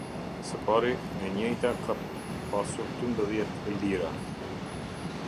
Së pari, e njejta ka pasur dymbëdhjetë lira.